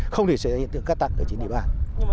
chúng tôi sẽ hiện tượng cát tặng ở chính địa bàn